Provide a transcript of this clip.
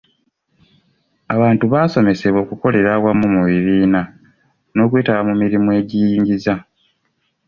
Abantu baasomesebwa okukolera awamu mu bibiina n'okwetaba mu mirimu egiyingiza